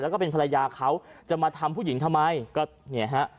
แล้วก็เป็นภรรยาเขาจะมาทำผู้หญิงทำไม